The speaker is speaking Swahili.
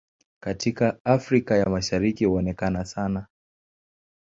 Katika Afrika ya Mashariki huonekana sana.